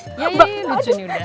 sok bing danking mungkin gitu engg